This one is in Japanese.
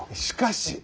しかし！